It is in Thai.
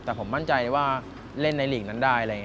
แต่ผมมั่นใจว่าเล่นในหลีกนั้นได้